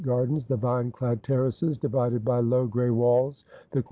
gardens; tlio vine clad terraces, divided by low gray walls ; the qi).